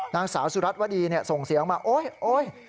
นางสาวสุรัสตร์วดีส่งเสียงมาโอ๊ย